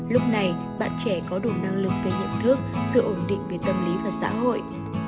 lúc này bạn trẻ có đủ năng lực về nhận thức sự ổn định về tâm lý và xã hội